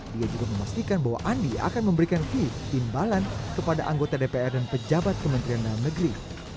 dia juga memastikan bahwa andi akan memberikan fee timbalan kepada anggota dpr dan pejabat kementerian dalam negeri